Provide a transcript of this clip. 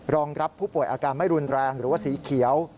รองรับผู้ป่วยอาการไม่รุนแรงหรือว่าสีเขียว